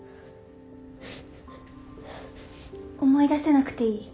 思い出せなくていい。